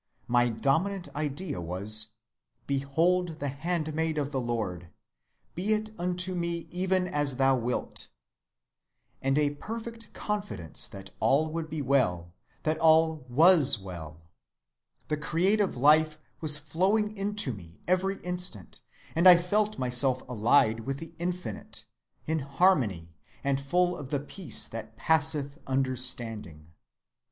My dominant idea was: 'Behold the handmaid of the Lord: be it unto me even as thou wilt,' and a perfect confidence that all would be well, that all was well. The creative life was flowing into me every instant, and I felt myself allied with the Infinite, in harmony, and full of the peace that passeth understanding.